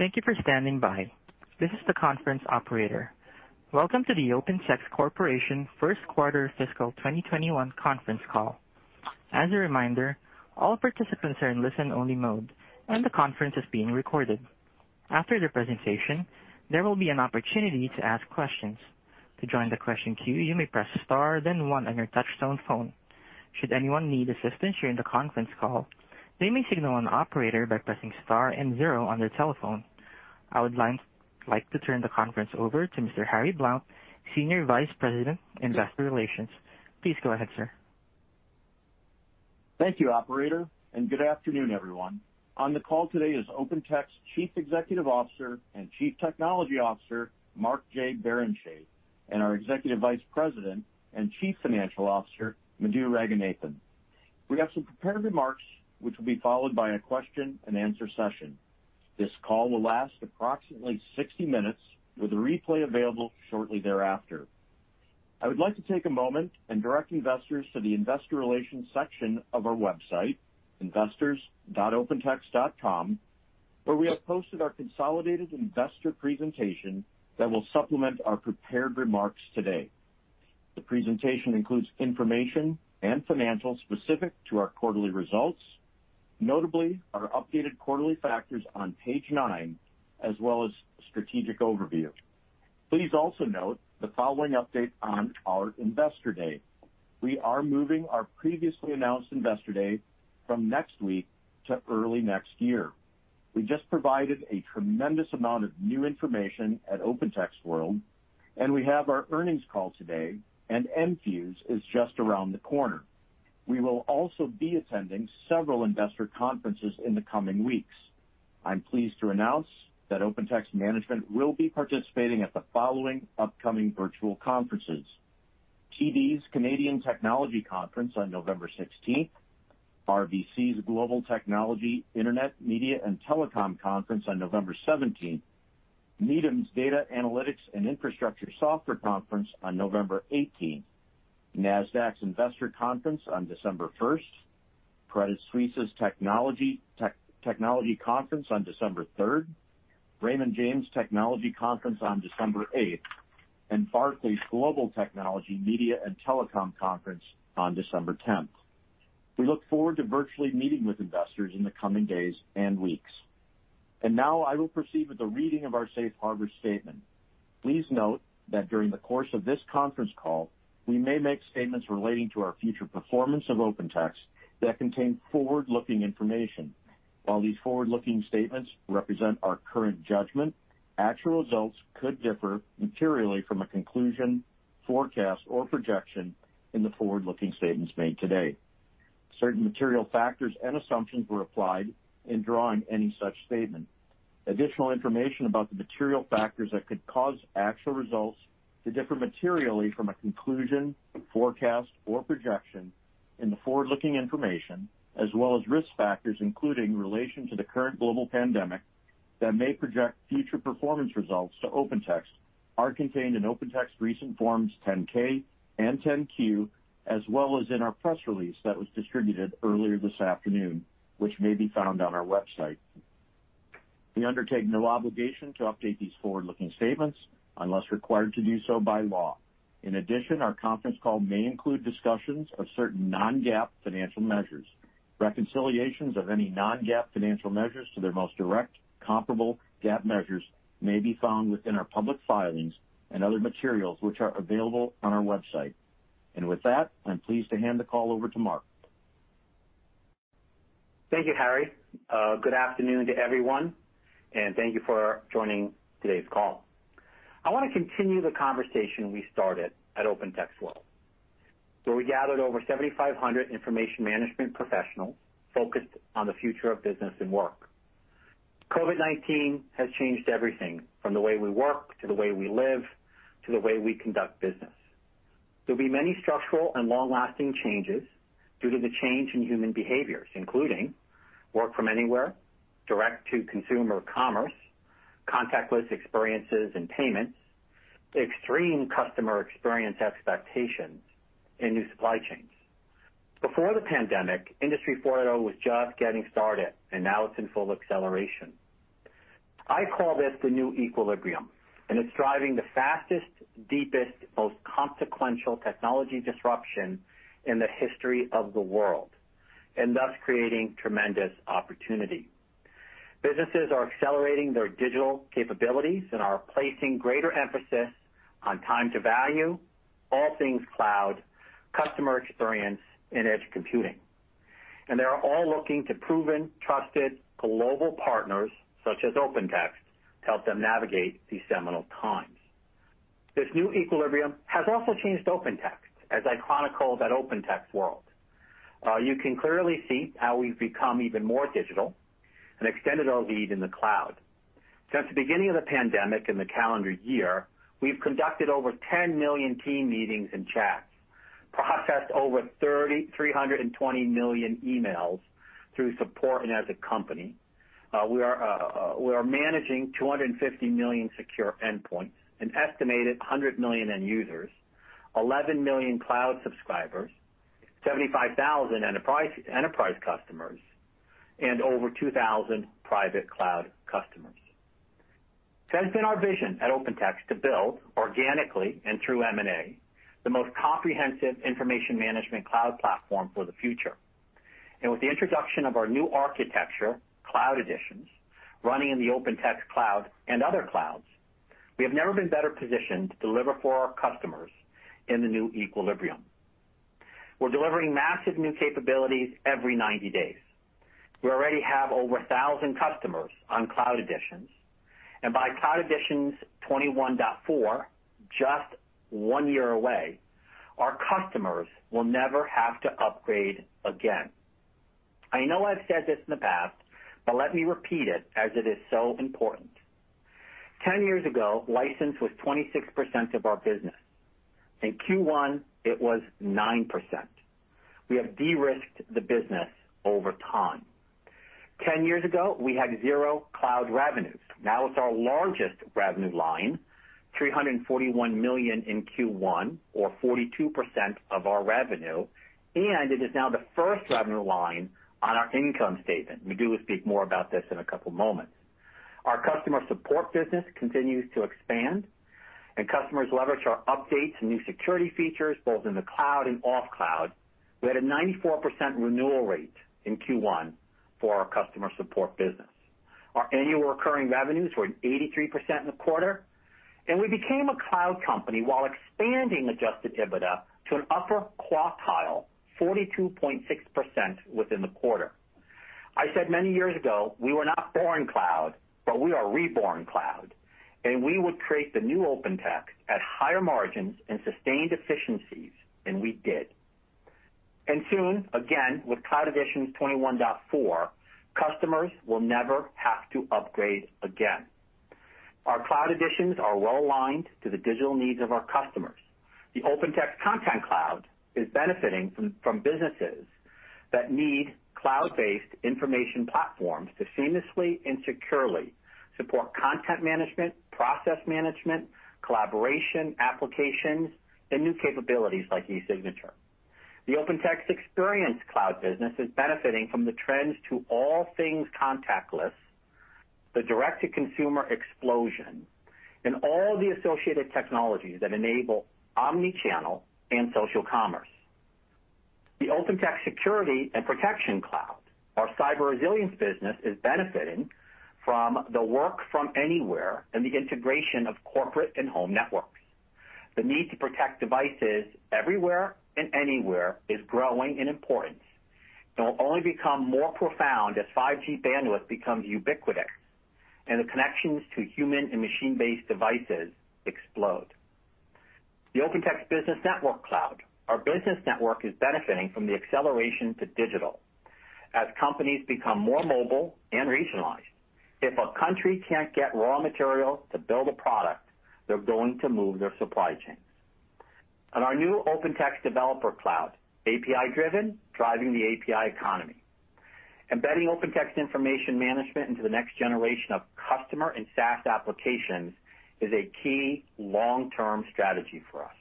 Thank you for standing by. This is the conference operator. Welcome to the OpenText Corporation first quarter fiscal 2021 conference call. As a reminder, all participants are in listen only mode, and the conference is being recorded. After the presentation, there will be an opportunity to ask questions. To join the question queue, you may press star then one on your touchtone phone. Should anyone need assistance during the conference call, they may signal an operator by pressing star and zero on their telephone. I would like to turn the conference over to Mr. Harry Blount, Senior Vice President, Investor Relations. Please go ahead, sir. Thank you, operator. Good afternoon, everyone. On the call today is OpenText's Chief Executive Officer and Chief Technology Officer, Mark J. Barrenechea, and our Executive Vice President and Chief Financial Officer, Madhu Ranganathan. We have some prepared remarks, which will be followed by a question and answer session. This call will last approximately 60 minutes with a replay available shortly thereafter. I would like to take a moment and direct investors to the investor relations section of our website, investors.opentext.com, where we have posted our consolidated investor presentation that will supplement our prepared remarks today. The presentation includes information and financials specific to our quarterly results, notably our updated quarterly factors on page nine, as well as strategic overview. Please also note the following update on our Investor Day. We are moving our previously announced Investor Day from next week to early next year. We just provided a tremendous amount of new information at OpenText World, and we have our earnings call today, and Enfuse is just around the corner. We will also be attending several investor conferences in the coming weeks. I'm pleased to announce that OpenText management will be participating at the following upcoming virtual conferences: TD's Canadian Technology Conference on November 16th, RBC's Global Technology, Internet, Media and Telecom Conference on November 17th, Needham's Data Analytics and Infrastructure Software Conference on November 18th, Nasdaq's Investor Conference on December 1st, Credit Suisse's Technology Conference on December 3rd, Raymond James Technology Conference on December 8th, and Barclays Global Technology, Media and Telecom Conference on December 10th. We look forward to virtually meeting with investors in the coming days and weeks. Now I will proceed with the reading of our Safe Harbor statement. Please note that during the course of this conference call, we may make statements relating to our future performance of OpenText that contain forward-looking information. While these forward-looking statements represent our current judgment, actual results could differ materially from a conclusion, forecast, or projection in the forward-looking statements made today. Certain material factors and assumptions were applied in drawing any such statement. Additional information about the material factors that could cause actual results to differ materially from a conclusion, forecast, or projection in the forward-looking information, as well as risk factors including relation to the current global pandemic that may project future performance results to OpenText are contained in OpenText recent forms 10-K and 10-Q, as well as in our press release that was distributed earlier this afternoon, which may be found on our website. We undertake no obligation to update these forward-looking statements unless required to do so by law. In addition, our conference call may include discussions of certain non-GAAP financial measures. Reconciliations of any non-GAAP financial measures to their most direct comparable GAAP measures may be found within our public filings and other materials, which are available on our website. With that, I'm pleased to hand the call over to Mark. Thank you, Harry. Good afternoon to everyone, and thank you for joining today's call. I want to continue the conversation we started at OpenText World, where we gathered over 7,500 information management professionals focused on the future of business and work. COVID-19 has changed everything from the way we work, to the way we live, to the way we conduct business. There'll be many structural and long-lasting changes due to the change in human behaviors, including work from anywhere, direct-to-consumer commerce, contactless experiences and payments, extreme customer experience expectations, and new supply chains. Before the pandemic, Industry 4.0 was just getting started, and now it's in full acceleration. I call this the new equilibrium, and it's driving the fastest, deepest, most consequential technology disruption in the history of the world, and thus creating tremendous opportunity. Businesses are accelerating their digital capabilities and are placing greater emphasis on time to value, all things cloud, customer experience in edge computing. They are all looking to proven, trusted global partners such as OpenText to help them navigate these seminal times. This new equilibrium has also changed OpenText, as I chronicled at OpenText World. You can clearly see how we've become even more digital and extended our lead in the cloud. Since the beginning of the pandemic and the calendar year, we've conducted over 10 million team meetings and chats, processed over 320 million emails through support and as a company. We are managing 250 million secure endpoints, an estimated 100 million end users, 11 million cloud subscribers, 75,000 enterprise customers and over 2,000 private cloud customers. It's been our vision at OpenText to build organically and through M&A, the most comprehensive information management cloud platform for the future. With the introduction of our new architecture, Cloud Editions, running in the OpenText Cloud and other clouds, we have never been better positioned to deliver for our customers in the new equilibrium. We're delivering massive new capabilities every 90 days. We already have over 1,000 customers on Cloud Editions, and by Cloud Editions 21.4, just one year away, our customers will never have to upgrade again. I know I've said this in the past, but let me repeat it as it is so important. 10 years ago, license was 26% of our business. In Q1, it was 9%. We have de-risked the business over time. 10 years ago, we had zero cloud revenues. It's our largest revenue line, $341 million in Q1, or 42% of our revenue, and it is now the first revenue line on our income statement. Madhu will speak more about this in a couple of moments. Our customer support business continues to expand, and customers leverage our updates and new security features both in the cloud and off cloud. We had a 94% renewal rate in Q1 for our customer support business. Our annual recurring revenues were 83% in the quarter, and we became a cloud company while expanding adjusted EBITDA to an upper quartile, 42.6% within the quarter. I said many years ago, we were not born cloud, but we are reborn cloud, and we would create the new OpenText at higher margins and sustained efficiencies, and we did. Soon, again, with Cloud Editions 21.4, customers will never have to upgrade again. Our Cloud Editions are well-aligned to the digital needs of our customers. The OpenText Content Cloud is benefiting from businesses that need cloud-based information platforms to seamlessly and securely support content management, process management, collaboration, applications, and new capabilities like e-signature. The OpenText Experience Cloud business is benefiting from the trends to all things contactless, the direct-to-consumer explosion, and all the associated technologies that enable omni-channel and social commerce. The OpenText Security and Protection Cloud. Our cyber resilience business is benefiting from the work from anywhere and the integration of corporate and home networks. The need to protect devices everywhere and anywhere is growing in importance, and will only become more profound as 5G bandwidth becomes ubiquitous, and the connections to human and machine-based devices explode. The OpenText Business Network Cloud. Our Business Network is benefiting from the acceleration to digital as companies become more mobile and regionalized. If a country can't get raw materials to build a product, they're going to move their supply chains. Our new OpenText Developer Cloud, API driven, driving the API economy. Embedding OpenText information management into the next generation of customer and SaaS applications is a key long-term strategy for us.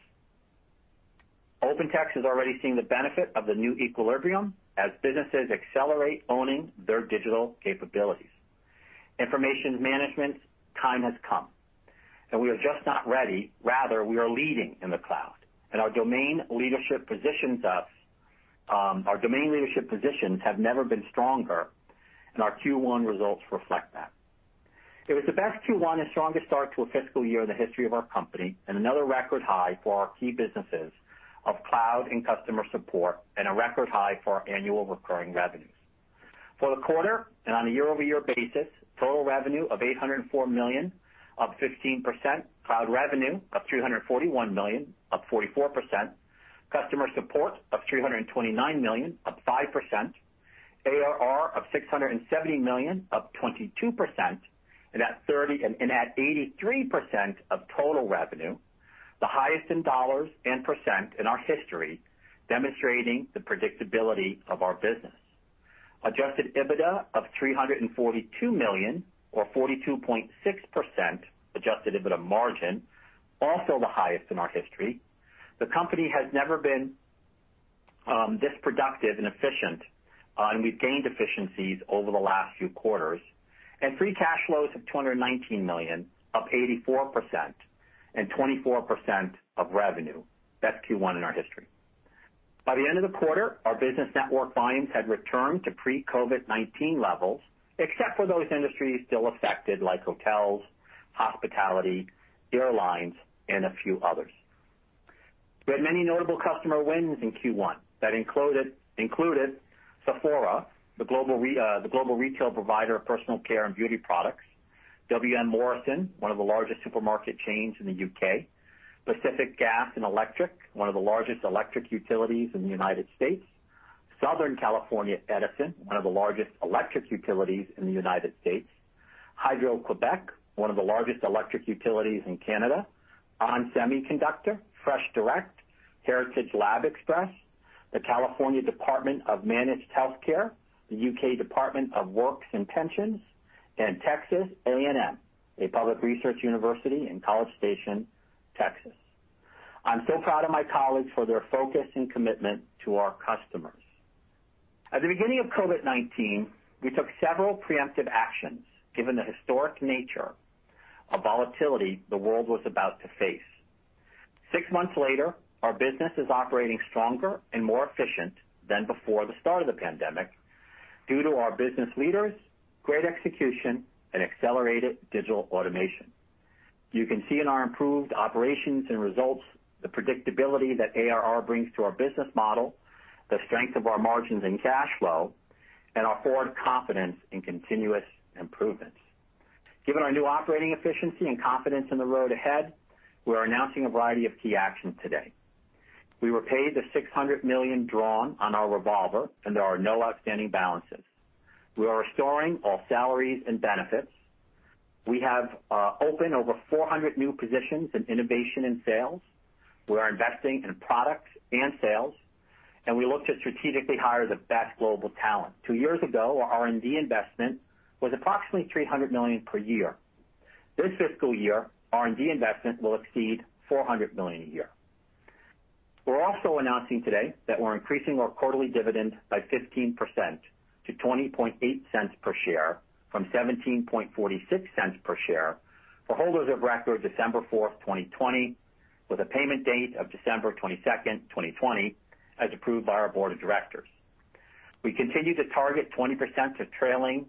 OpenText has already seen the benefit of the new equilibrium as businesses accelerate owning their digital capabilities. Information management's time has come, and we are just not ready, rather, we are leading in the cloud, and our domain leadership positions have never been stronger, and our Q1 results reflect that. It was the best Q1 and strongest start to a fiscal year in the history of our company, and another record high for our key businesses of cloud and customer support, and a record high for our annual recurring revenues. For the quarter and on a year-over-year basis, total revenue of $804 million, up 15%, cloud revenue up $341 million, up 44%, customer support up $329 million, up 5%, ARR of $670 million, up 22%, at 83% of total revenue, the highest in dollars and percent in our history, demonstrating the predictability of our business. Adjusted EBITDA of $342 million or 42.6% adjusted EBITDA margin, also the highest in our history. The company has never been this productive and efficient, we've gained efficiencies over the last few quarters. Free cash flows of $219 million, up 84% and 24% of revenue. Best Q1 in our history. By the end of the quarter, our business network volumes had returned to pre-COVID-19 levels, except for those industries still affected, like hotels, hospitality, airlines, and a few others. We had many notable customer wins in Q1 that included Sephora, the global retail provider of personal care and beauty products. Wm Morrison, one of the largest supermarket chains in the U.K. Pacific Gas and Electric, one of the largest electric utilities in the United States. Southern California Edison, one of the largest electric utilities in the United States. Hydro-Québec, one of the largest electric utilities in Canada. ON Semiconductor, FreshDirect, Heritage Lab Express, the California Department of Managed Health Care, the U.K. Department for Work and Pensions. Texas A&M, a public research university in College Station, Texas. I'm so proud of my colleagues for their focus and commitment to our customers. At the beginning of COVID-19, we took several preemptive actions given the historic nature of volatility the world was about to face. Six months later, our business is operating stronger and more efficient than before the start of the pandemic due to our business leaders, great execution, and accelerated digital automation. You can see in our improved operations and results the predictability that ARR brings to our business model, the strength of our margins and cash flow, and our forward confidence in continuous improvements. Given our new operating efficiency and confidence in the road ahead, we are announcing a variety of key actions today. We repaid the $600 million drawn on our revolver, and there are no outstanding balances. We are restoring all salaries and benefits. We have opened over 400 new positions in innovation and sales. We are investing in products and sales, and we look to strategically hire the best global talent. Two years ago, our R&D investment was approximately $300 million per year. This fiscal year, R&D investment will exceed $400 million a year. We are also announcing today that we are increasing our quarterly dividend by 15% to $20.08 per share from $17.46 per share for holders of record December 4th, 2020, with a payment date of December 22nd, 2020, as approved by our board of directors. We continue to target 20% of trailing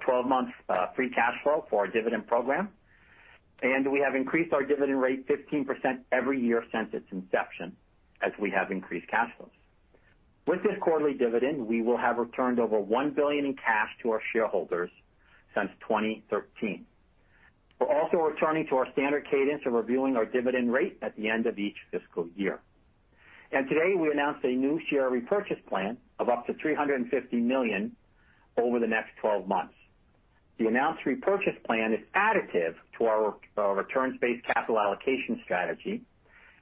12 months free cash flow for our dividend program. We have increased our dividend rate 15% every year since its inception as we have increased cash flows. With this quarterly dividend, we will have returned over $1 billion in cash to our shareholders since 2013. We are also returning to our standard cadence of reviewing our dividend rate at the end of each fiscal year. Today, we announced a new share repurchase plan of up to $350 million over the next 12 months. The announced repurchase plan is additive to our returns-based capital allocation strategy,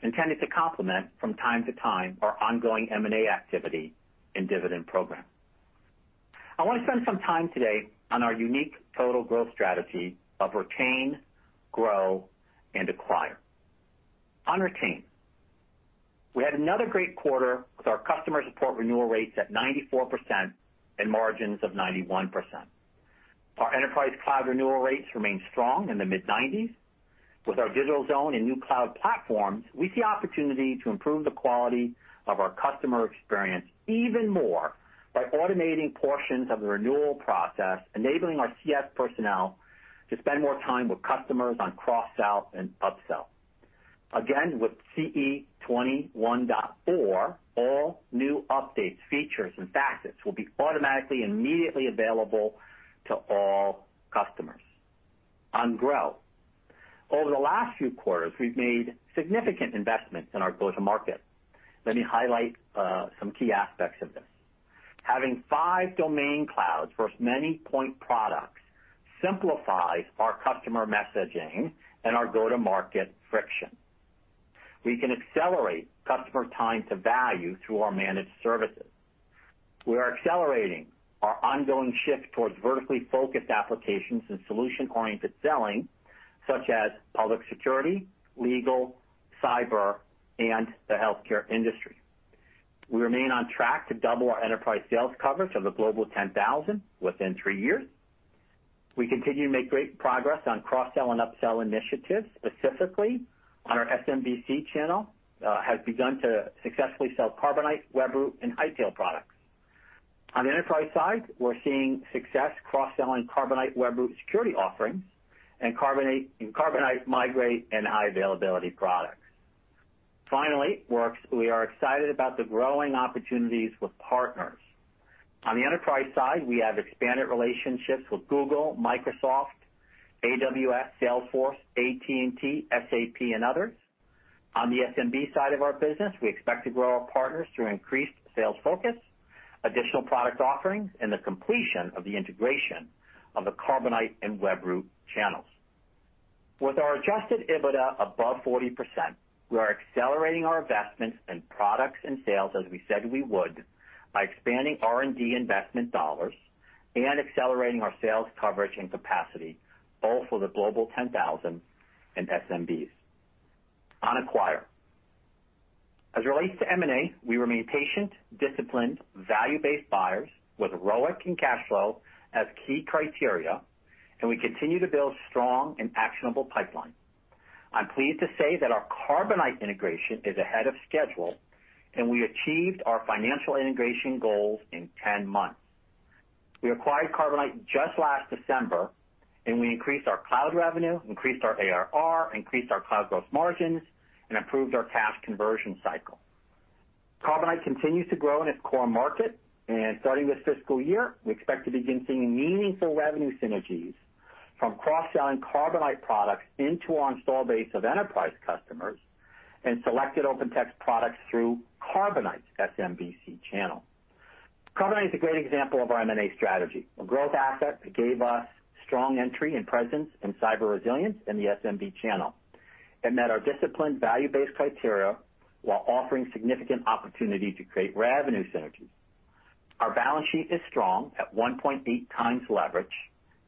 intended to complement from time to time our ongoing M&A activity and dividend program. I want to spend some time today on our unique total growth strategy of retain, grow, and acquire. On retain. We had another great quarter with our customer support renewal rates at 94% and margins of 91%. Our enterprise cloud renewal rates remain strong in the mid-90s. With our Digital Zone and new cloud platforms, we see opportunity to improve the quality of our customer experience even more by automating portions of the renewal process, enabling our CS personnel to spend more time with customers on cross-sell and upsell. Again, with CE 21.4, all new updates, features, and facets will be automatically and immediately available to all customers. On grow. Over the last few quarters, we've made significant investments in our go-to-market. Let me highlight some key aspects of this. Having five domain clouds versus many point products simplifies our customer messaging and our go-to-market friction. We can accelerate customer time to value through our managed services. We are accelerating our ongoing shift towards vertically focused applications and solution-oriented selling, such as public security, legal, cyber, and the healthcare industry. We remain on track to double our enterprise sales coverage of the Global 10,000 within three years. We continue to make great progress on cross-sell and upsell initiatives. Specifically, our SMB/C channel has begun to successfully sell Carbonite, Webroot, and Hightail products. On the enterprise side, we're seeing success cross-selling Carbonite Webroot security offerings and Carbonite Migrate and high availability products. Finally, we are excited about the growing opportunities with partners. On the enterprise side, we have expanded relationships with Google, Microsoft, AWS, Salesforce, AT&T, SAP, and others. On the SMB side of our business, we expect to grow our partners through increased sales focus, additional product offerings, and the completion of the integration of the Carbonite and Webroot channels. With our adjusted EBITDA above 40%, we are accelerating our investments in products and sales as we said we would by expanding R&D investment dollars and accelerating our sales coverage and capacity, both for the Global 10,000 and SMBs. On acquire. As it relates to M&A, we remain patient, disciplined, value-based buyers with ROIC and cash flow as key criteria. We continue to build strong and actionable pipeline. I'm pleased to say that our Carbonite integration is ahead of schedule, and we achieved our financial integration goals in 10 months. We acquired Carbonite just last December. We increased our cloud revenue, increased our ARR, increased our cloud growth margins, and improved our cash conversion cycle. Carbonite continues to grow in its core market, starting this fiscal year, we expect to begin seeing meaningful revenue synergies from cross-selling Carbonite products into our installed base of enterprise customers and selected OpenText products through Carbonite's SMB/C channel. Carbonite is a great example of our M&A strategy. A growth asset that gave us strong entry and presence in cyber resilience in the SMB channel and that our disciplined value-based criteria, while offering significant opportunity to create revenue synergies. Our balance sheet is strong at 1.8x leverage.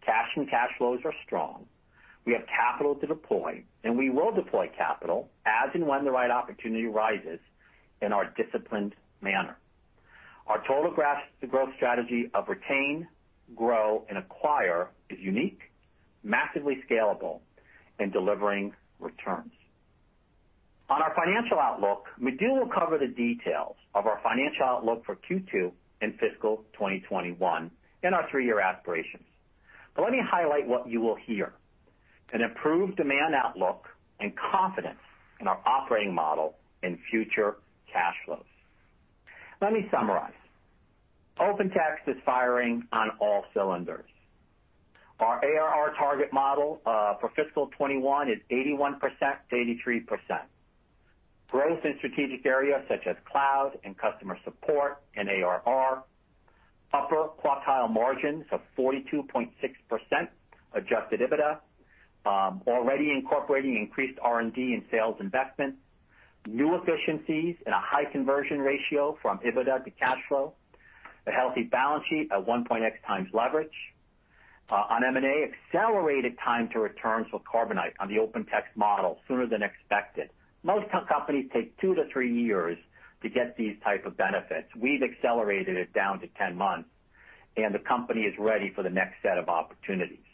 Cash and cash flows are strong. We have capital to deploy, we will deploy capital as and when the right opportunity arises in our disciplined manner. Our total grasp to growth strategy of retain, grow, and acquire is unique, massively scalable, and delivering returns. On our financial outlook, Madhu Ranganathan will cover the details of our financial outlook for Q2 and fiscal 2021 and our three-year aspirations. Let me highlight what you will hear. An improved demand outlook and confidence in our operating model in future cash flows. Let me summarize. OpenText is firing on all cylinders. Our ARR target model for fiscal 2021 is 81%-83%. Growth in strategic areas such as cloud and customer support and ARR. Upper quartile margins of 42.6% adjusted EBITDA. Already incorporating increased R&D and sales investment, new efficiencies, and a high conversion ratio from EBITDA to cash flow, a healthy balance sheet at 1.8x leverage. On M&A, accelerated time to returns with Carbonite on the OpenText model sooner than expected. Most companies take two to three years to get these type of benefits. We've accelerated it down to 10 months, the company is ready for the next set of opportunities.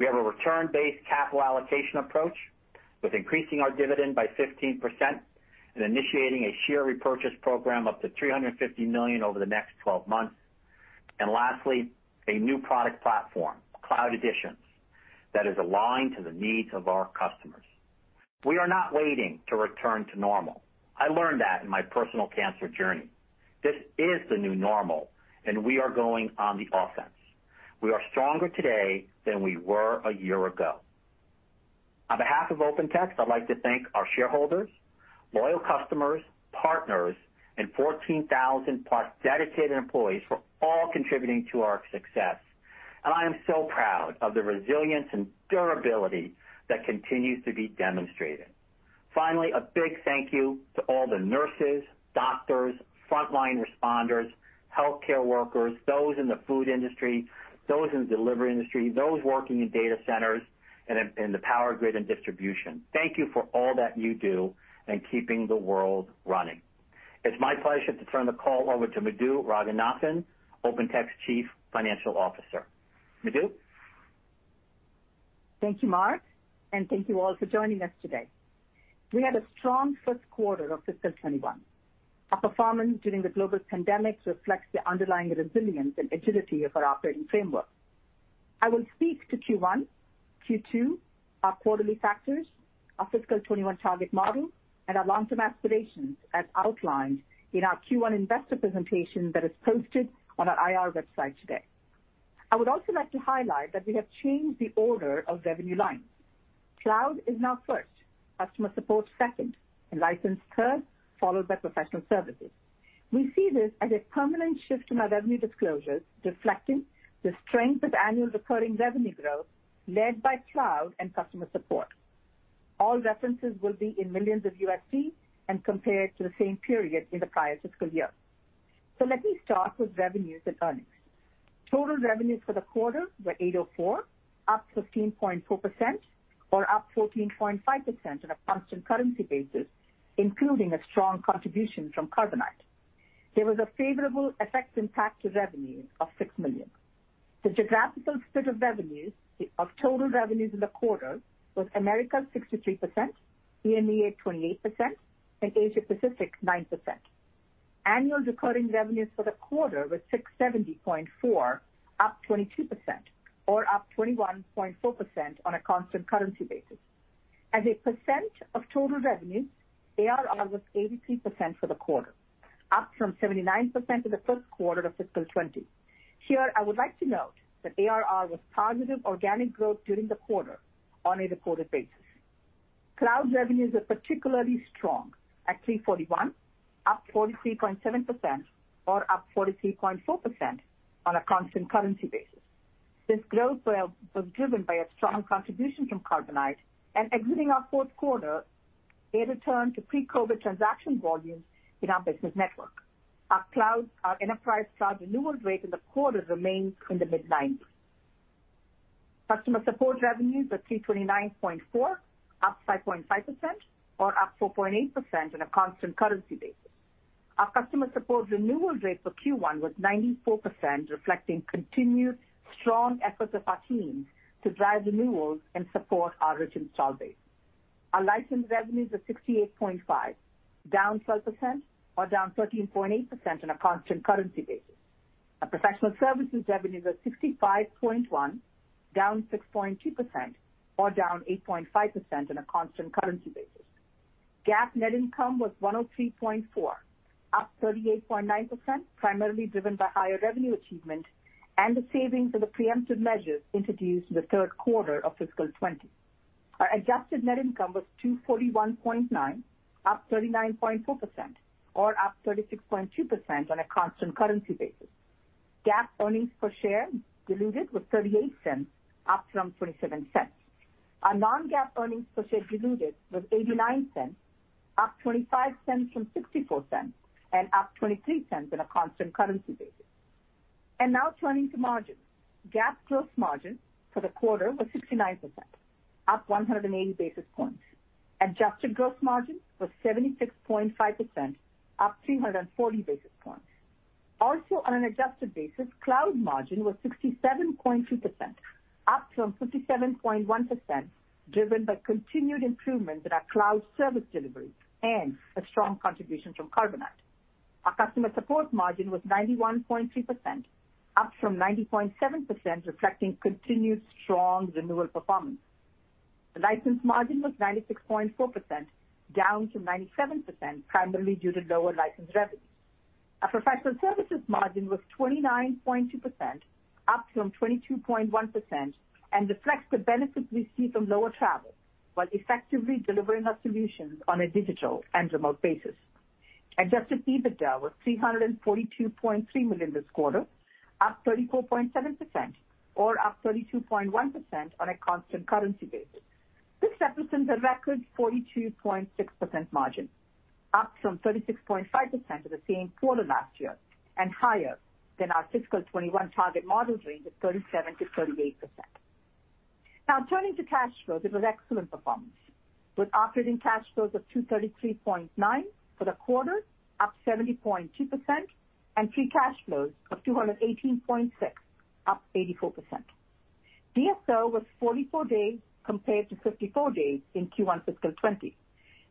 We have a return-based capital allocation approach with increasing our dividend by 15% and initiating a share repurchase program up to $350 million over the next 12 months. Lastly, a new product platform, Cloud Editions, that is aligned to the needs of our customers. We are not waiting to return to normal. I learned that in my personal cancer journey. This is the new normal, and we are going on the offense. We are stronger today than we were a year ago. On behalf of OpenText, I'd like to thank our shareholders, loyal customers, partners, and 14,000+ dedicated employees for all contributing to our success. I am so proud of the resilience and durability that continues to be demonstrated. Finally, a big thank you to all the nurses, doctors, frontline responders, healthcare workers, those in the food industry, those in the delivery industry, those working in data centers and in the power grid and distribution. Thank you for all that you do and keeping the world running. It's my pleasure to turn the call over to Madhu Ranganathan, OpenText Chief Financial Officer. Madhu. Thank you, Mark, and thank you all for joining us today. We had a strong first quarter of fiscal 2021. Our performance during the global pandemic reflects the underlying resilience and agility of our operating framework. I will speak to Q1, Q2, our quarterly factors, our fiscal 2021 target model, and our long-term aspirations as outlined in our Q1 investor presentation that is posted on our IR website today. I would also like to highlight that we have changed the order of revenue lines. Cloud is now first, customer support second, and license third, followed by professional services. We see this as a permanent shift in our revenue disclosures, reflecting the strength of annual recurring revenue growth led by cloud and customer support. All references will be in millions of USD, and compared to the same period in the prior fiscal year. Let me start with revenues and earnings. Total revenues for the quarter were $804 million, up 15.4%, or up 14.5% on a constant currency basis, including a strong contribution from Carbonite. There was a favorable effect in tax revenue of $6 million. The geographical split of revenues, of total revenues in the quarter was Americas 63%, EMEA 28%, and Asia Pacific 9%. Annual recurring revenues for the quarter were $670.4, up 22%, or up 21.4% on a constant currency basis. As a percent of total revenue, ARR was 83% for the quarter, up from 79% in the first quarter of fiscal 2020. Here, I would like to note that ARR was positive organic growth during the quarter on a reported basis. Cloud revenues are particularly strong at $341, up 43.7%, or up 43.4% on a constant currency basis. This growth was driven by a strong contribution from Carbonite and exiting our fourth quarter, a return to pre-COVID transaction volumes in our business network. Our enterprise cloud renewal rate in the quarter remains in the mid-90s. Customer support revenues are $329.4 million, up 5.5%, or up 4.8% on a constant currency basis. Our customer support renewal rate for Q1 was 94%, reflecting continued strong efforts of our teams to drive renewals and support our rich install base. Our license revenues are $68.5, down 12%, or down 13.8% on a constant currency basis. Our professional services revenues are $65.1, down 6.2%, or down 8.5% on a constant currency basis. GAAP net income was $103.4 million, up 38.9%, primarily driven by higher revenue achievement and the savings of the preemptive measures introduced in the third quarter of fiscal 2020. Our adjusted net income was $241.9 million, up 39.4%, or up 36.2% on a constant currency basis. GAAP earnings per share diluted was $0.38, up from $0.27. Our non-GAAP earnings per share diluted was $0.89, up $0.25 from $0.64, and up $0.23 on a constant currency basis. Now turning to margins. GAAP gross margin for the quarter was 69%, up 180 basis points. Adjusted gross margin was 76.5%, up 340 basis points. Also on an adjusted basis, cloud margin was 67.2%, up from 57.1%, driven by continued improvements in our cloud service deliveries and a strong contribution from Carbonite. Our customer support margin was 91.3%, up from 90.7%, reflecting continued strong renewal performance. The license margin was 96.4%, down from 97%, primarily due to lower license revenue. Our professional services margin was 29.2%, up from 22.1%, and reflects the benefit we see from lower travel, while effectively delivering our solutions on a digital and remote basis. Adjusted EBITDA was $342.3 million this quarter, up 34.7%, or up 32.1% on a constant currency basis. This represents a record 42.6% margin, up from 36.5% for the same quarter last year, and higher than our fiscal 2021 target model range of 37%-38%. Now turning to cash flows. It was excellent performance, with operating cash flows of $233.9 million for the quarter, up 70.2%, and free cash flows of $218.6 million, up 84%. DSO was 44 days compared to 54 days in Q1 fiscal 2020.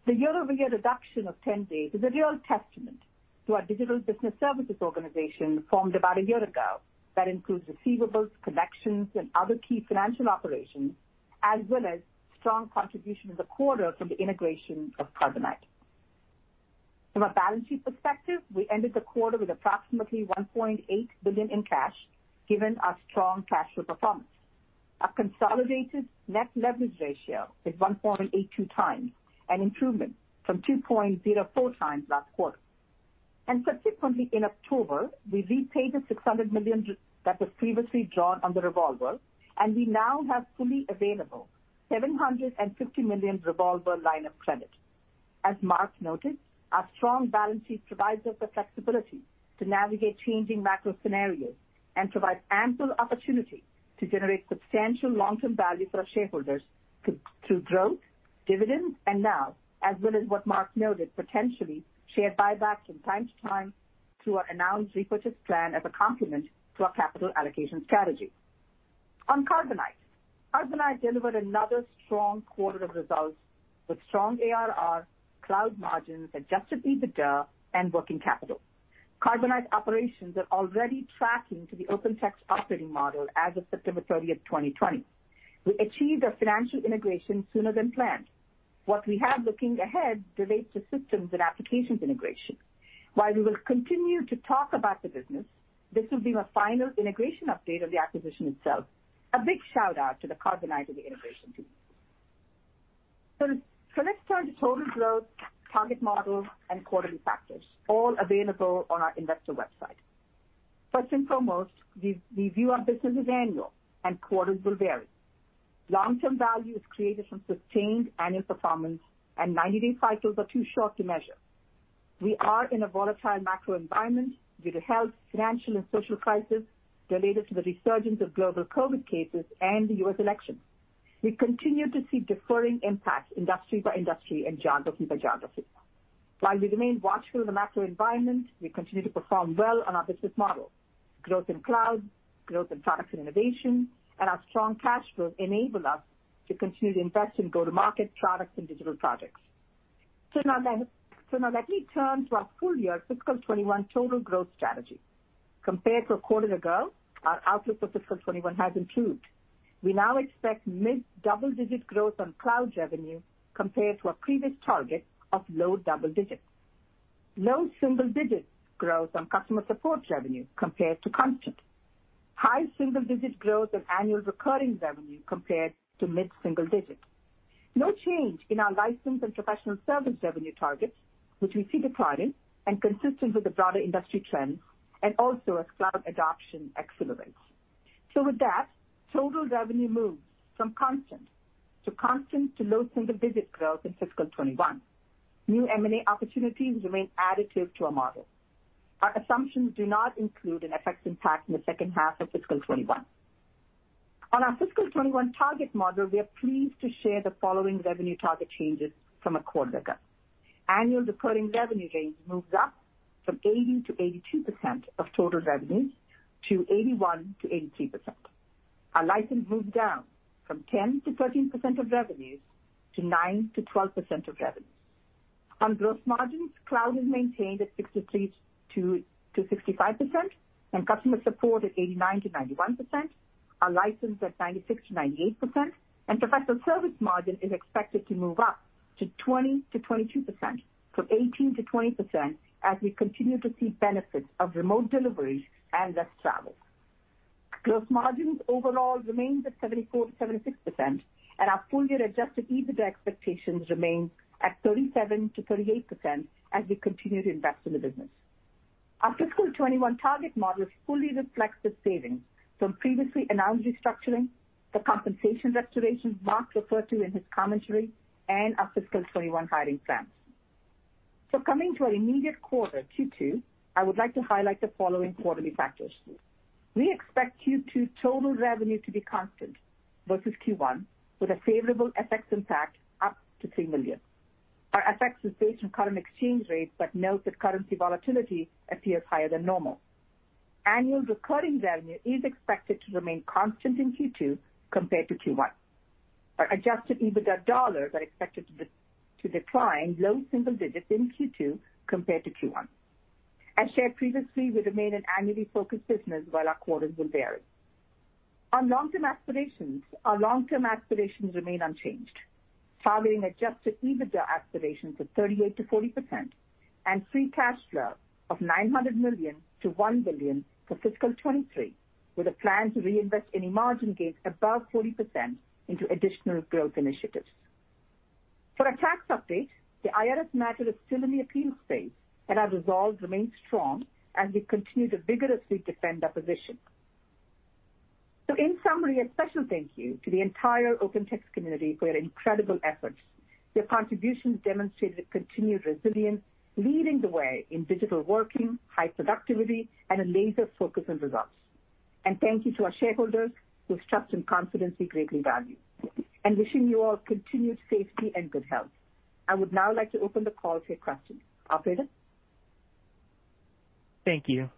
The year-over-year reduction of 10 days is a real testament to our digital business services organization, formed about a year ago, that includes receivables, collections, and other key financial operations, as well as strong contribution in the quarter from the integration of Carbonite. From a balance sheet perspective, we ended the quarter with approximately $1.8 billion in cash, given our strong cash flow performance. Our consolidated net leverage ratio is 1.82x, an improvement from 2.04x last quarter. Subsequently, in October, we repaid the $600 million that was previously drawn on the revolver, and we now have fully available $750 million revolver line of credit. As Mark noted, our strong balance sheet provides us the flexibility to navigate changing macro scenarios and provide ample opportunity to generate substantial long-term value for our shareholders through growth, dividends, and now, as well as what Mark noted, potentially shared buybacks from time to time through our announced repurchase plan as a complement to our capital allocation strategy. On Carbonite, Carbonite delivered another strong quarter of results with strong ARR, cloud margins, adjusted EBITDA, and working capital. Carbonite operations are already tracking to the OpenText operating model as of September 30th, 2020. We achieved our financial integration sooner than planned. What we have looking ahead relates to systems and applications integration. While we will continue to talk about the business, this will be my final integration update of the acquisition itself. A big shout-out to the Carbonite and the integration team. Let's turn to total growth, target models, and quarterly factors, all available on our investor website. First and foremost, we view our business as annual, and quarters will vary. Long-term value is created from sustained annual performance, and 90-day cycles are too short to measure. We are in a volatile macro environment due to health, financial, and social crisis related to the resurgence of global COVID-19 cases and the U.S. election. We continue to see differing impacts industry by industry and geography by geography. While we remain watchful of the macro environment, we continue to perform well on our business model. Growth in cloud, growth in products and innovation, and our strong cash flow enable us to continue to invest in go-to-market products and digital projects. Now let me turn to our full year fiscal 2021 total growth strategy. Compared to a quarter ago, our outlook for fiscal 2021 has improved. We now expect mid-double-digit growth on cloud revenue compared to our previous target of low double digits. Low single-digit growth on customer support revenue compared to constant. High single-digit growth on annual recurring revenue compared to mid-single digit. No change in our license and professional service revenue targets, which we see declining and consistent with the broader industry trends, and also as cloud adoption accelerates. With that, total revenue moves from constant to low single-digit growth in fiscal 2021. New M&A opportunities remain additive to our model. Our assumptions do not include an FX impact in the second half of fiscal 2021. On our fiscal 2021 target model, we are pleased to share the following revenue target changes from a quarter ago. Annual recurring revenue range moves up from 80%-82% of total revenues to 81%-83%. Our license moved down from 10%-13% of revenues to 9%-12% of revenues. On gross margins, cloud is maintained at 63%-65%, and customer support at 89%-91%, our license at 96%-98%, and professional service margin is expected to move up to 20%-22%, from 18%-20%, as we continue to see benefits of remote deliveries and less travel. Gross margins overall remained at 74%-76%, and our full-year adjusted EBITDA expectations remain at 37%-38% as we continue to invest in the business. Our fiscal 2021 target model fully reflects the savings from previously announced restructuring, the compensation restoration Mark referred to in his commentary, and our fiscal 2021 hiring plans. Coming to our immediate quarter, Q2, I would like to highlight the following quarterly factors. We expect Q2 total revenue to be constant versus Q1, with a favorable FX impact up to $3 million. Our FX is based on current exchange rates, note that currency volatility appears higher than normal. Annual recurring revenue is expected to remain constant in Q2 compared to Q1. Our adjusted EBITDA dollars are expected to decline low single digits in Q2 compared to Q1. As shared previously, we remain an annually focused business while our quarters will vary. Our long-term aspirations remain unchanged. Targeting adjusted EBITDA aspirations of 38%-40% and free cash flow of $900 million to $1 billion for fiscal 2023, with a plan to reinvest any margin gains above 40% into additional growth initiatives. For our tax update, the IRS matter is still in the appeals phase and our resolve remains strong as we continue to vigorously defend our position. In summary, a special thank you to the entire OpenText community for your incredible efforts. Your contributions demonstrated continued resilience, leading the way in digital working, high productivity, and a laser focus on results. Thank you to our shareholders whose trust and confidence we greatly value. Wishing you all continued safety and good health. I would now like to open the call for your questions. Operator? Thank you.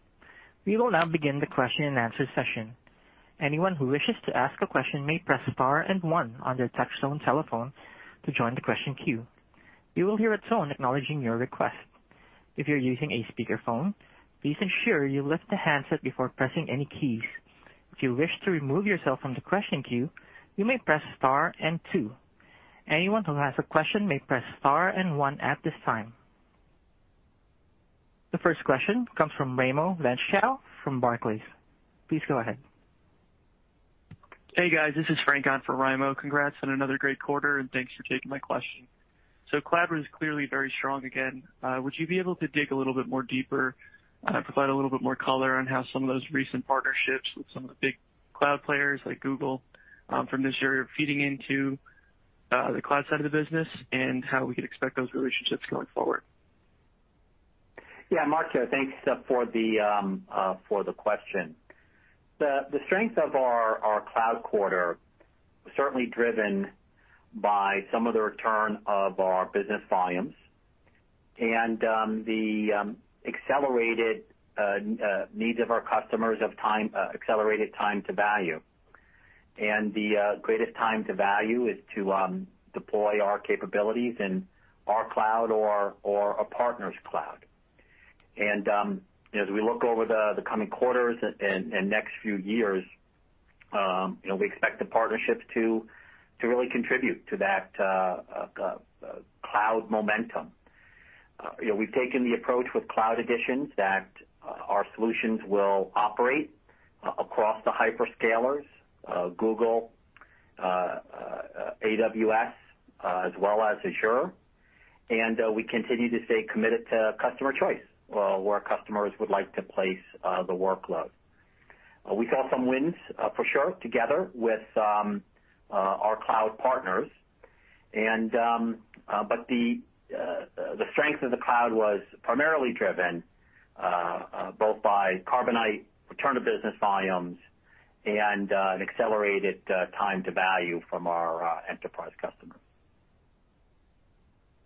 We will now begin the question and answer session. Anyone who wishes to ask a question may press star and one on their touchtone telephone to join the question queue. You will hear a tone acknowledging your request. If you're using a speakerphone, please ensure you lift the handset before pressing any keys. If you wish to remove yourself from the question queue, you may press star and two. Anyone who has a question may press star and one at this time. The first question comes from Raimo Lenschow from Barclays. Please go ahead. Hey, guys. This is Frank on for Raimo. Congrats on another great quarter, and thanks for taking my question. Cloud was clearly very strong again. Would you be able to dig a little bit more deeper, provide a little bit more color on how some of those recent partnerships with some of the big cloud players like Google from this year are feeding into the cloud side of the business, and how we could expect those relationships going forward? Yeah, Mark here. Thanks for the question. The strength of our cloud quarter was certainly driven by some of the return of our business volumes and the accelerated needs of our customers of accelerated time to value. The greatest time to value is to deploy our capabilities in our cloud or a partner's cloud. As we look over the coming quarters and next few years, we expect the partnerships to really contribute to that cloud momentum. We've taken the approach with Cloud Editions that our solutions will operate across the hyperscalers, Google, AWS, as well as Azure, and we continue to stay committed to customer choice, where customers would like to place the workload. We saw some wins for sure together with our cloud partners. The strength of the cloud was primarily driven both by Carbonite return of business volumes and an accelerated time to value from our enterprise customers.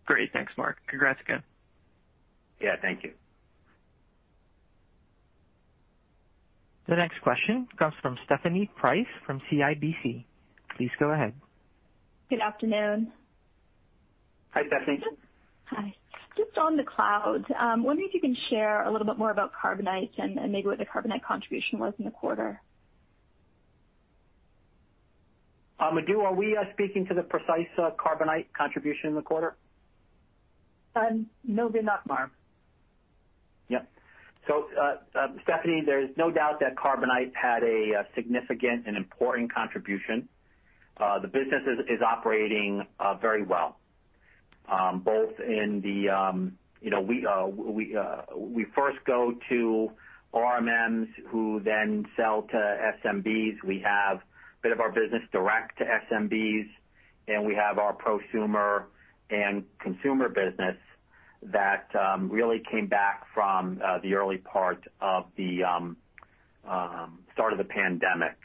Great. Thanks, Mark. Congrats again. Yeah. Thank you. The next question comes from Stephanie Price from CIBC. Please go ahead. Good afternoon. Hi, Stephanie. Hi. Just on the cloud, wondering if you can share a little bit more about Carbonite and maybe what the Carbonite contribution was in the quarter. Madhu, are we speaking to the precise Carbonite contribution in the quarter? No, we're not, Mark. Yep. Stephanie, there's no doubt that Carbonite had a significant and important contribution. The business is operating very well. We first go to RMMs who then sell to SMBs. We have a bit of our business direct to SMBs, and we have our prosumer and consumer business that really came back from the early part of the start of the pandemic.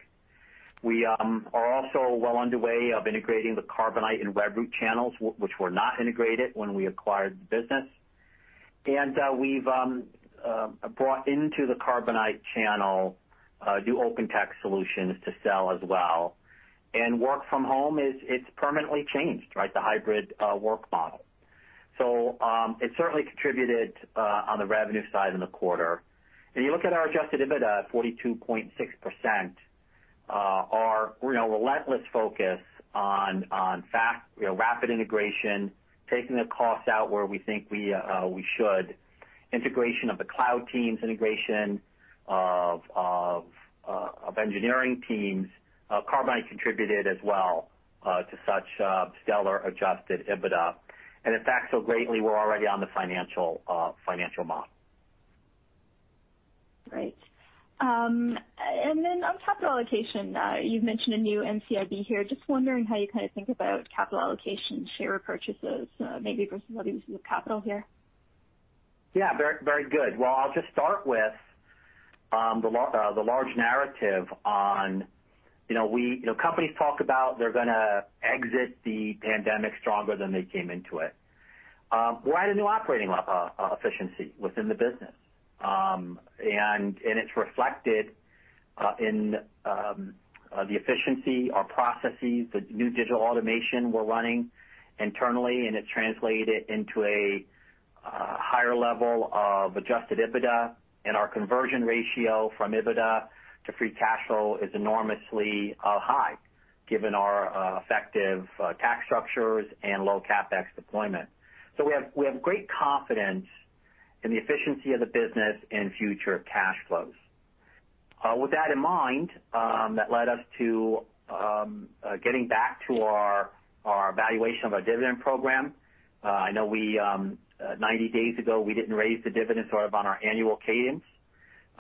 We are also well underway of integrating the Carbonite and Webroot channels, which were not integrated when we acquired the business. We've brought into the Carbonite channel new OpenText solutions to sell as well. Work from home, it's permanently changed, right? The hybrid work model. It certainly contributed on the revenue side in the quarter. If you look at our adjusted EBITDA at 42.6%, our relentless focus on rapid integration, taking the cost out where we think we should, integration of the cloud teams, integration of engineering teams. Carbonite contributed as well to such stellar adjusted EBITDA. In fact, so greatly we're already on the financial model. Great. On capital allocation, you've mentioned a new NCIB here. Just wondering how you think about capital allocation, share repurchases, maybe versus the use of capital here? Yeah. Very good. Well, I'll just start with the large narrative on companies talk about they're going to exit the pandemic stronger than they came into it. We had a new operating efficiency within the business, and it's reflected in the efficiency, our processes, the new digital automation we're running internally, and it translated into a higher level of adjusted EBITDA. Our conversion ratio from EBITDA to free cash flow is enormously high given our effective tax structures and low CapEx deployment. We have great confidence in the efficiency of the business and future cash flows. With that in mind, that led us to getting back to our evaluation of our dividend program. I know 90 days ago, we didn't raise the dividend on our annual cadence.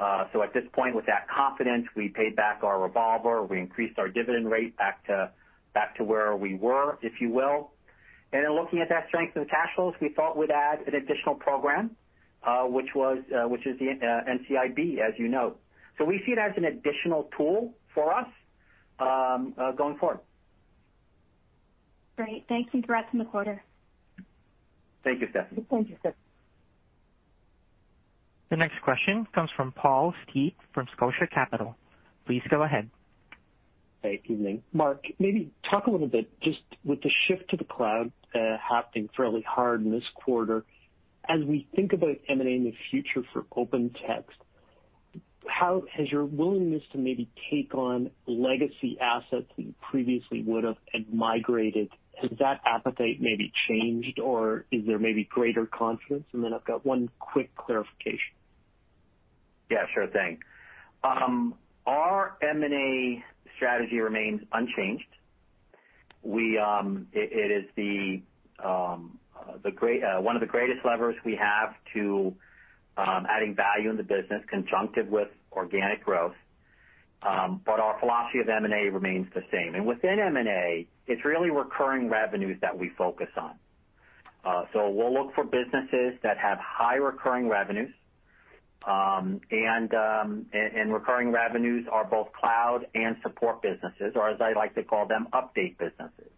At this point, with that confidence, we paid back our revolver, we increased our dividend rate back to where we were, if you will. In looking at that strength in cash flows, we thought we'd add an additional program, which is the NCIB, as you know. We see it as an additional tool for us going forward. Great. Thanks, and congrats on the quarter. Thank you, Stephanie. Thank you, Stephanie. The next question comes from Paul Steep from Scotia Capital. Please go ahead. Hey, evening. Mark, maybe talk a little bit, just with the shift to the cloud happening fairly hard in this quarter, as we think about M&A in the future for OpenText, has your willingness to maybe take on legacy assets that you previously would've and migrated, has that appetite maybe changed, or is there maybe greater confidence? I've got one quick clarification. Yeah, sure thing. Our M&A strategy remains unchanged. It is one of the greatest levers we have to adding value in the business conjunctive with organic growth. Our philosophy of M&A remains the same. Within M&A, it's really recurring revenues that we focus on. We'll look for businesses that have high recurring revenues. Recurring revenues are both cloud and support businesses, or as I like to call them, update businesses.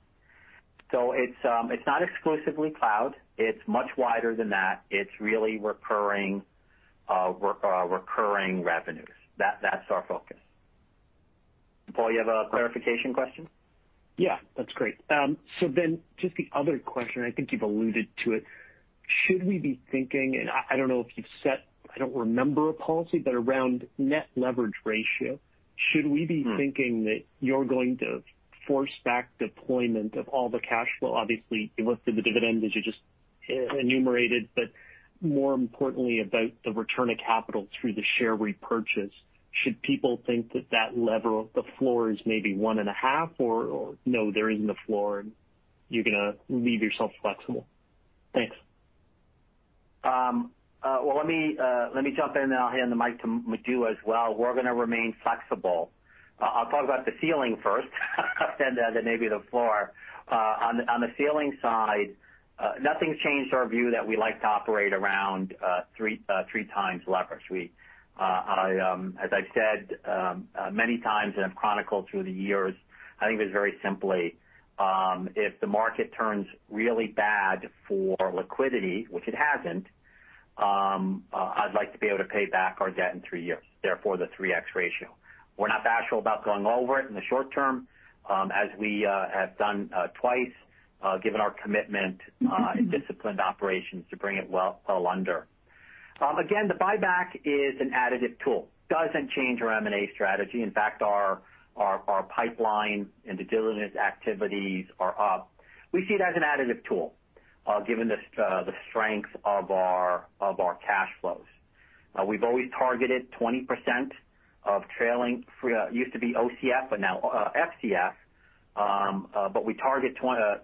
It's not exclusively cloud. It's much wider than that. It's really recurring revenues. That's our focus. Paul, you have a clarification question? Yeah. That's great. Just the other question, I think you've alluded to it. Should we be thinking, and I don't know if you've set, I don't remember a policy, but around net leverage ratio, should we be thinking that you're going to force back deployment of all the cash flow? Obviously, you listed the dividends as you just enumerated, but more importantly, about the return of capital through the share repurchase. Should people think that that lever of the floor is maybe 1.5x, or no, there isn't a floor, and you're going to leave yourself flexible? Thanks. Well, let me jump in, and then I'll hand the mic to Madhu as well. We're going to remain flexible. I'll talk about the ceiling first than maybe the floor. On the ceiling side, nothing's changed our view that we like to operate around 3x leverage. As I've said many times and have chronicled through the years, I think of it very simply. If the market turns really bad for liquidity, which it hasn't, I'd like to be able to pay back our debt in three years. Therefore, the 3x ratio. We're not bashful about going over it in the short term, as we have done twice given our commitment in disciplined operations to bring it well under. Again, the buyback is an additive tool. Doesn't change our M&A strategy. In fact, our pipeline and the diligence activities are up. We see it as an additive tool given the strength of our cash flows. We've always targeted 20% of trailing, used to be OCF, but now FCF. We target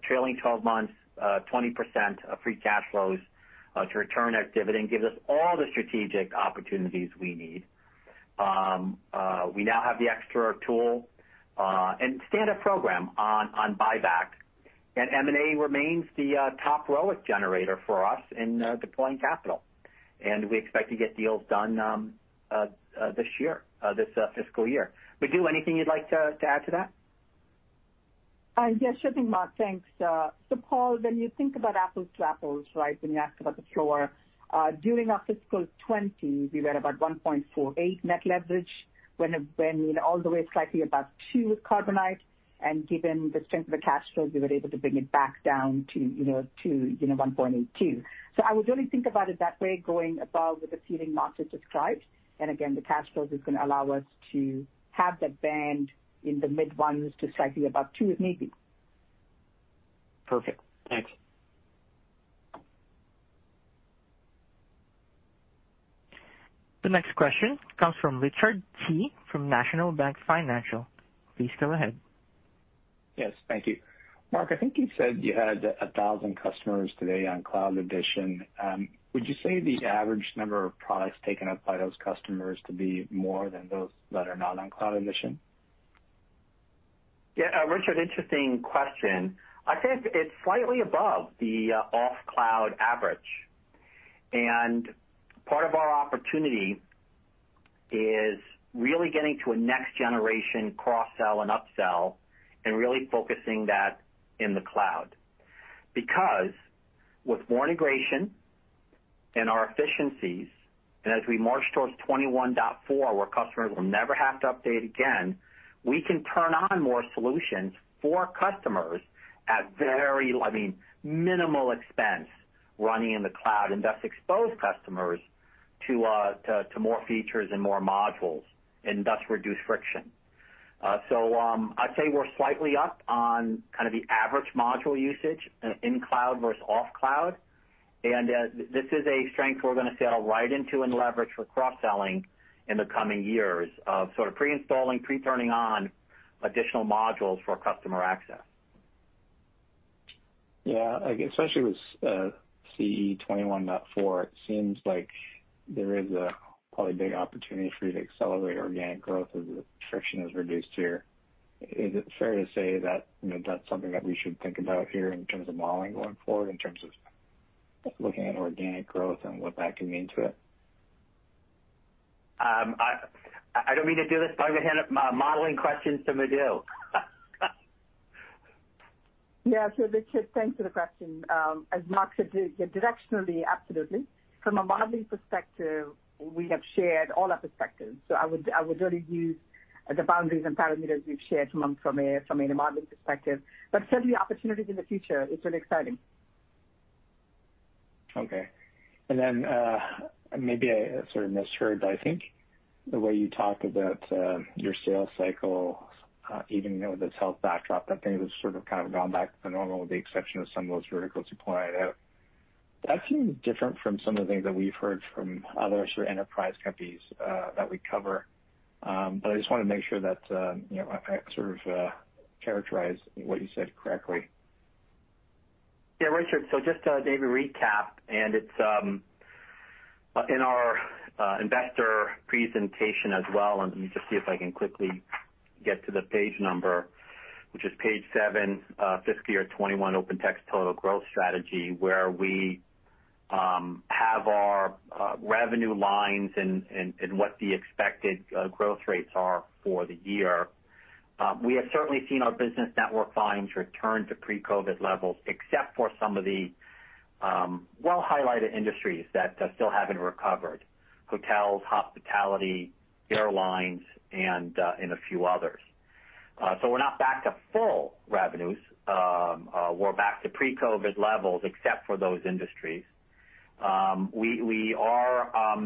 trailing 12 months, 20% of free cash flows to return our dividend, gives us all the strategic opportunities we need. We now have the extra tool, and standard program on buyback. M&A remains the top ROIC generator for us in deploying capital. We expect to get deals done this fiscal year. Madhu, anything you'd like to add to that? Yes. Sure thing, Mark. Thanks. Paul, when you think about apples to apples, when you asked about the floor, during our fiscal 2020, we were about 1.48x net leverage when all the way slightly above two with Carbonite. Given the strength of the cash flows, we were able to bring it back down to 1.82x. I would really think about it that way, going above with the ceiling Mark just described. Again, the cash flows is going to allow us to have that band in the mid ones to slightly above two, if need be. Perfect. Thanks. The next question comes from Richard Tse from National Bank Financial. Please go ahead. Yes, thank you. Mark, I think you said you had a thousand customers today on Cloud Edition. Would you say the average number of products taken up by those customers to be more than those that are not on Cloud Edition? Yeah, Richard, interesting question. I'd say it's slightly above the off-cloud average. Part of our opportunity is really getting to a next generation cross-sell and up-sell and really focusing that in the cloud. With more integration and our efficiencies, and as we march towards 21.4, where customers will never have to update again, we can turn on more solutions for customers at very minimal expense running in the cloud, and thus expose customers to more features and more modules, and thus reduce friction. I'd say we're slightly up on kind of the average module usage in cloud versus off-cloud. This is a strength we're going to sail right into and leverage for cross-selling in the coming years of sort of pre-installing, pre-turning on additional modules for customer access. Yeah. Especially with CE 21.4, it seems like there is a probably big opportunity for you to accelerate organic growth as the friction is reduced here. Is it fair to say that that's something that we should think about here in terms of modeling going forward, in terms of just looking at organic growth and what that could mean to it? I don't mean to do this, but I'm going to hand modeling questions to Madhu. Sure, Richard, thanks for the question. As Mark said, directionally, absolutely. From a modeling perspective, we have shared all our perspectives. I would really use the boundaries and parameters we've shared from a modeling perspective. Certainly opportunities in the future, it's really exciting. Okay. Maybe I sort of misheard, but I think the way you talked about your sales cycle, even with this health backdrop, I think it was sort of, kind of gone back to normal with the exception of some of those verticals you pointed out. That seems different from some of the things that we've heard from other sort of enterprise companies that we cover. I just want to make sure that I sort of characterized what you said correctly. Yeah, Richard. Just to maybe recap, it's in our investor presentation as well. Let me just see if I can quickly get to the page number, which is page seven, fiscal year 2021 OpenText total growth strategy, where we have our revenue lines and what the expected growth rates are for the year. We have certainly seen our business network volumes return to pre-COVID levels, except for some of the well-highlighted industries that still haven't recovered. Hotels, hospitality, airlines, and a few others. We're not back to full revenues. We're back to pre-COVID levels, except for those industries. We are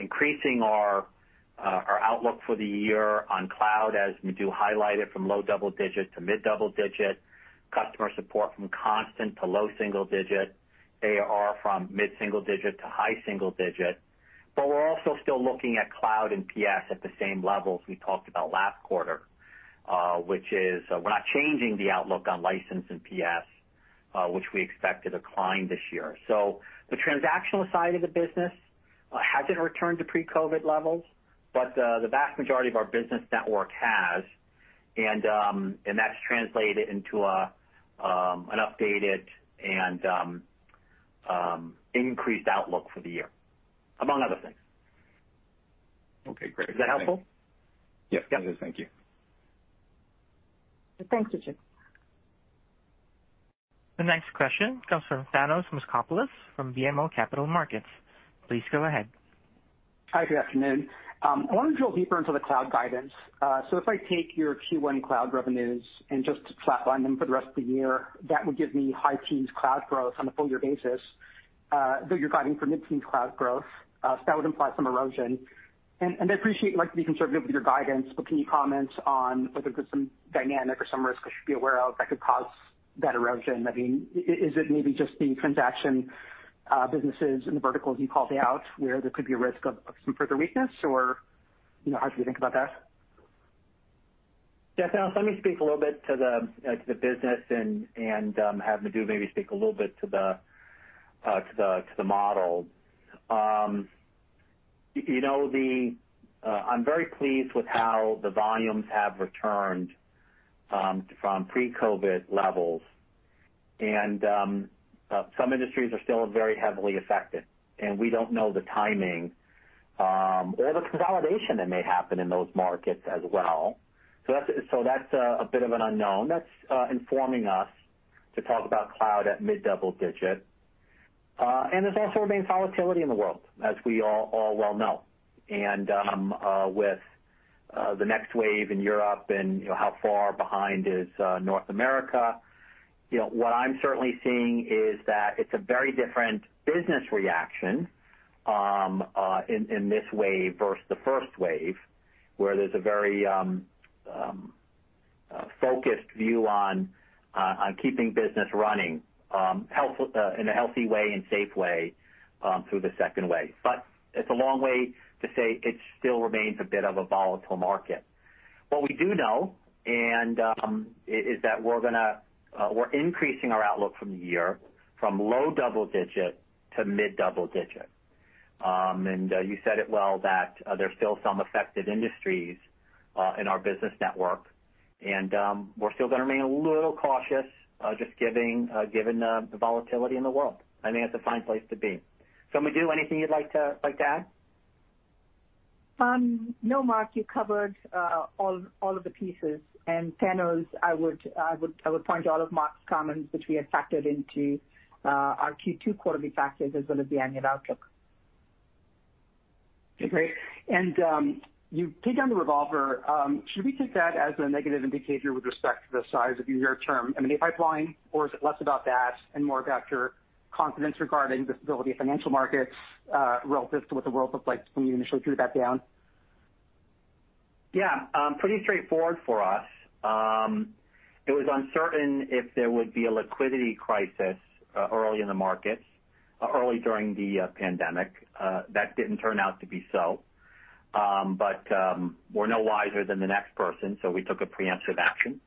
increasing our outlook for the year on cloud, as Madhu highlighted, from low double digits to mid double digits. Customer support from constant to low single digits. ARR from mid single digit to high single digit. We're also still looking at cloud and PS at the same levels we talked about last quarter, which is we're not changing the outlook on license and PS, which we expect to decline this year. The transactional side of the business hasn't returned to pre-COVID levels, but the vast majority of our business network has. That's translated into an updated and increased outlook for the year, among other things. Okay, great. Is that helpful? Yes, it is. Thank you. Thanks, Richard. The next question comes from Thanos Moschopoulos from BMO Capital Markets. Please go ahead. Hi, good afternoon. I want to drill deeper into the cloud guidance. If I take your Q1 cloud revenues and just flatline them for the rest of the year, that would give me high teens cloud growth on a full year basis. Though you're guiding for mid-teens cloud growth, that would imply some erosion. I appreciate you like to be conservative with your guidance, can you comment on whether there's some dynamic or some risk I should be aware of that could cause that erosion? I mean, is it maybe just the transaction businesses and the verticals you called out where there could be a risk of some further weakness? How should we think about that? Yeah, Thanos, let me speak a little bit to the business and have Madhu maybe speak a little bit to the model. I'm very pleased with how the volumes have returned from pre-COVID-19 levels. Some industries are still very heavily affected, and we don't know the timing or the consolidation that may happen in those markets as well. That's a bit of an unknown. That's informing us to talk about cloud at mid double-digit. There's also remaining volatility in the world, as we all well know. With the next wave in Europe and how far behind is North America. What I'm certainly seeing is that it's a very different business reaction in this wave versus the first wave, where there's a very focused view on keeping business running in a healthy way and safe way through the second wave. It's a long way to say it still remains a bit of a volatile market. What we do know is that we're increasing our outlook from the year from low double-digit to mid double-digit. You said it well that there's still some affected industries in our business network, and we're still going to remain a little cautious just given the volatility in the world. I think that's a fine place to be. Madhu, anything you'd like to add? No, Mark, you covered all of the pieces. Thanos, I would point to all of Mark's comments, which we had factored into our Q2 quarterly factors as well as the annual outlook. Okay. You paid down the revolver. Should we take that as a negative indicator with respect to the size of your term M&A pipeline, or is it less about that and more about your confidence regarding the stability of financial markets relative to what the world looked like when you initially drew that down? Yeah. Pretty straightforward for us. It was uncertain if there would be a liquidity crisis early in the markets, early during the pandemic. That didn't turn out to be so. We're no wiser than the next person, we took a preemptive action.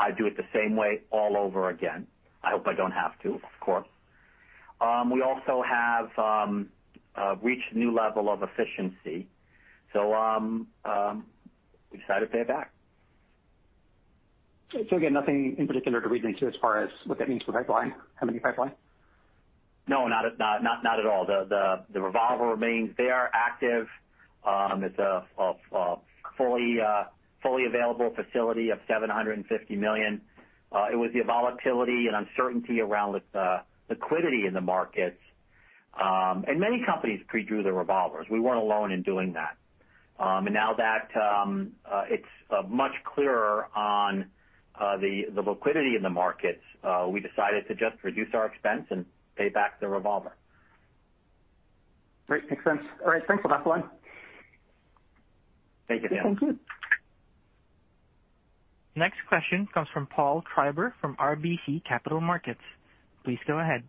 I'd do it the same way all over again. I hope I don't have to, of course. We also have reached a new level of efficiency, we decided to pay it back. Again, nothing in particular to read into as far as what that means for the M&A pipeline? No, not at all. The revolver remains there active. It's a fully available facility of $750 million. It was the volatility and uncertainty around the liquidity in the markets. Many companies pre-drew the revolvers. We weren't alone in doing that. Now that it's much clearer on the liquidity in the markets, we decided to just reduce our expense and pay back the revolver. Great. Makes sense. All right. Thanks for that, Mark. Thank you. Thank you. Next question comes from Paul Treiber from RBC Capital Markets. Please go ahead.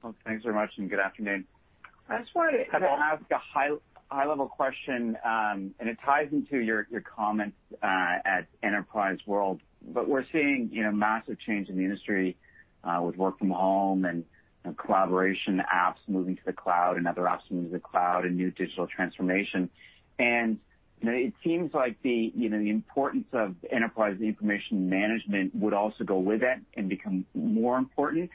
Paul, thanks very much. Good afternoon. I just wanted to ask a high-level question. It ties into your comments at OpenText World. We're seeing massive change in the industry with work from home and collaboration apps moving to the cloud, and other apps moving to the cloud, and new digital transformation. It seems like the importance of Enterprise Information Management would also go with it and become more important.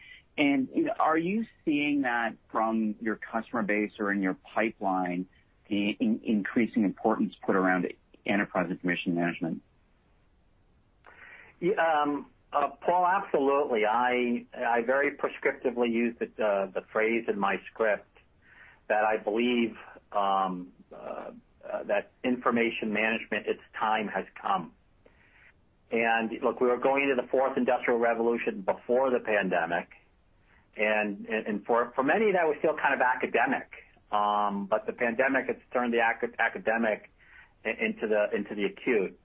Are you seeing that from your customer base or in your pipeline, the increasing importance put around Enterprise Information Management? Paul, absolutely. I very prescriptively used the phrase in my script that I believe that information management, its time has come. Look, we were going into the fourth industrial revolution before the pandemic, and for many, that was still kind of academic. The pandemic has turned the academic into the acute.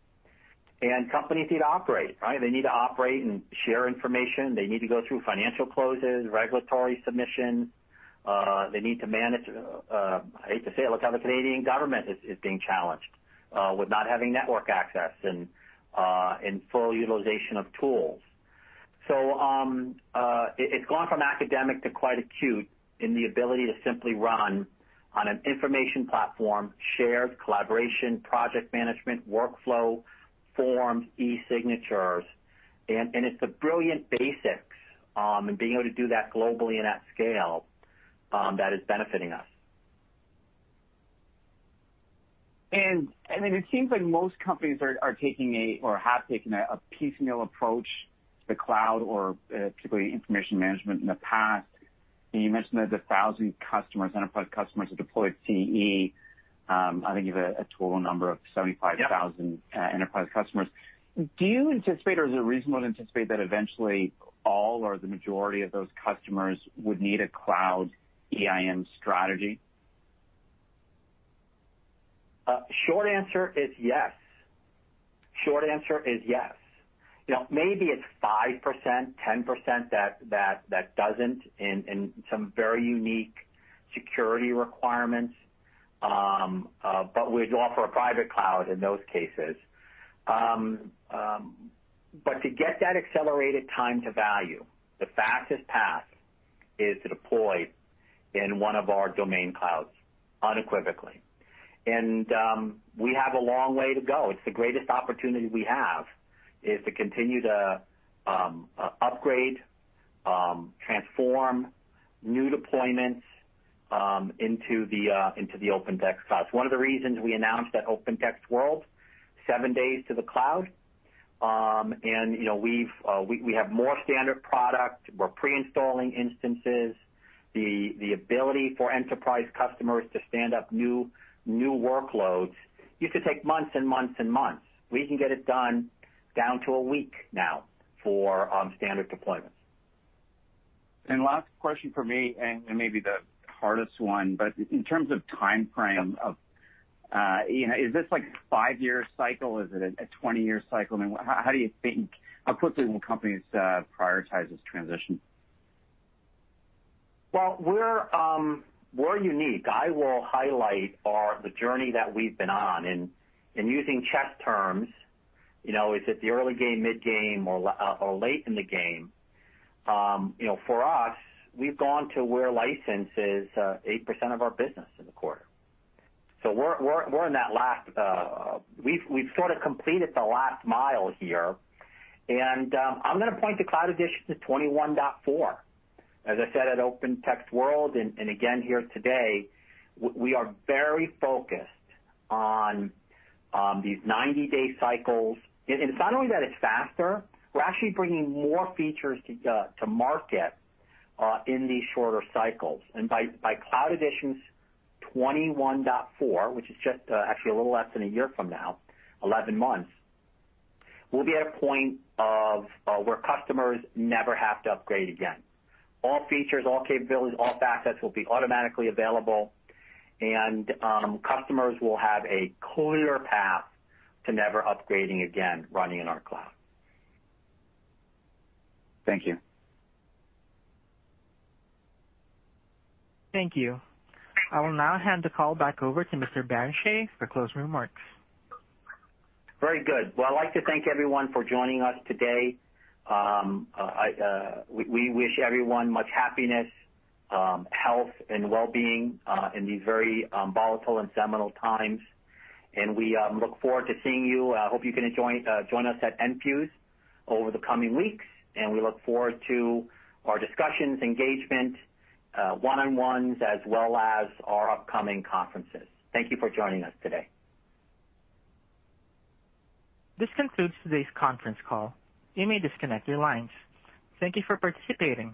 Companies need to operate, right? They need to operate and share information. They need to go through financial closes, regulatory submissions. They need to manage. I hate to say it. Look how the Canadian Government is being challenged with not having network access and full utilization of tools. It's gone from academic to quite acute in the ability to simply run on an information platform, shared collaboration, project management, workflow, forms, e-signatures, and it's the brilliant basics, and being able to do that globally and at scale, that is benefiting us. It seems like most companies are taking or have taken a piecemeal approach to the cloud or particularly information management in the past. You mentioned there's a thousand enterprise customers who deployed CE. I think you have a total number of 75,000 enterprise customers. Do you anticipate, or is it reasonable to anticipate that eventually all or the majority of those customers would need a cloud EIM strategy? Short answer is yes. Maybe it's 5%, 10% that doesn't in some very unique security requirements, but we'd offer a private cloud in those cases. To get that accelerated time to value, the fastest path is to deploy in one of our domain clouds, unequivocally. We have a long way to go. It's the greatest opportunity we have is to continue to upgrade, transform new deployments into the OpenText clouds. One of the reasons we announced at OpenText World, seven days to the cloud. We have more standard product. We're pre-installing instances. The ability for enterprise customers to stand up new workloads used to take months and months and months. We can get it done down to a week now for standard deployments. Last question from me, and maybe the hardest one, but in terms of timeframe, is this like a five-year cycle? Is it a 20-year cycle? How quickly will companies prioritize this transition? Well, we're unique. I will highlight the journey that we've been on. In using chess terms, is it the early game, mid-game, or late in the game? For us, we've gone to where license is 8% of our business in the quarter. We've sort of completed the last mile here. I'm going to point to Cloud Editions 21.4. As I said at OpenText World, and again here today, we are very focused on these 90-day cycles. It's not only that it's faster, we're actually bringing more features to market in these shorter cycles. By Cloud Editions 21.4, which is just actually a little less than a year from now, 11 months, we'll be at a point where customers never have to upgrade again. All features, all capabilities, all facets will be automatically available, and customers will have a clear path to never upgrading again running in our cloud. Thank you. Thank you. I will now hand the call back over to Mr. Barrenechea for closing remarks. Very good. Well, I'd like to thank everyone for joining us today. We wish everyone much happiness, health, and wellbeing in these very volatile and seminal times. We look forward to seeing you. I hope you can join us at Enfuse over the coming weeks, and we look forward to our discussions, engagement, one-on-ones, as well as our upcoming conferences. Thank you for joining us today. This concludes today's conference call. You may disconnect your lines. Thank you for participating.